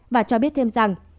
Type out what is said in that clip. và cho biết thêm rằng